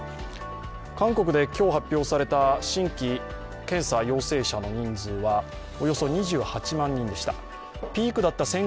韓国で今日、発表された新規検査陽性者の人数はおよそ２８万人でした。